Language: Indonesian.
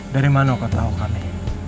dari mana kau tahu kami